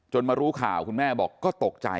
มารู้ข่าวคุณแม่บอกก็ตกใจ